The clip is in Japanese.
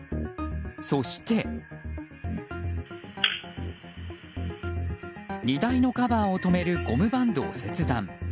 そして荷台のカバーを止めるゴムバンドを切断。